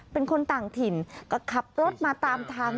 เป็นคนต่างถิ่นก็ขับรถมาตามทาง